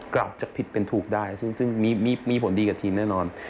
กลับจะผิดเป็นถูกได้ซึ่งมีผลดีกับทีมแน่นอน